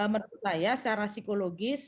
menurut saya secara psikologis